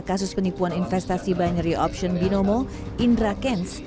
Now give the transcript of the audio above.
kasus penipuan investasi binary option binomo indra kents